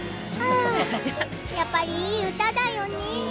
やっぱりいい歌だよね。